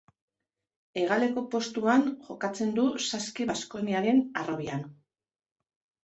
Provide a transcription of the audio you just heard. Hegaleko postuan jokatzen du Saski Baskoniaren harrobian.